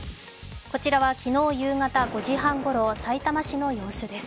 こちらは昨日夕方５時半ごろさいたま市の様子です。